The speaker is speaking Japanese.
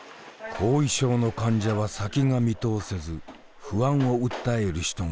後遺症の患者は先が見通せず不安を訴える人が多い。